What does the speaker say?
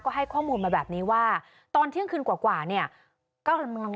ให้ข้อมูลมาแบบนี้ว่าตอนเที่ยงคืนกว่าเนี่ย